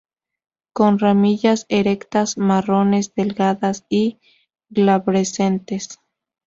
Con ramillas erectas, marrones, delgadas y glabrescentes.